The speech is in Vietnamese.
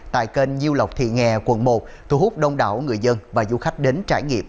tại kênh nhiêu lộc thị nghè quận một thu hút đông đảo người dân và du khách đến trải nghiệm